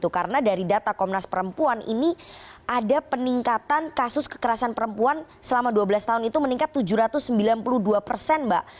karena dari data komnas perempuan ini ada peningkatan kasus kekerasan perempuan selama dua belas tahun itu meningkat tujuh ratus sembilan puluh dua persen mbak